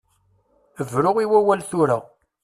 Bru i wawal tura.